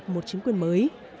một chính quyền mới